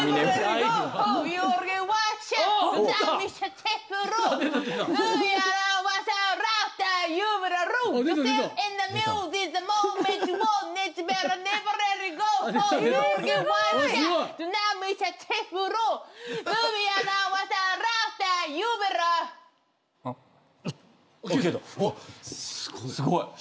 すごい。